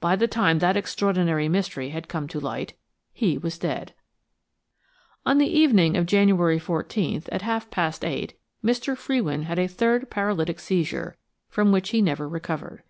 By the time that extraordinary mystery had come to light he was dead. On the evening of January the 14th, at half past eight, Mr. Frewin had a third paralytic seizure, from which he never recovered.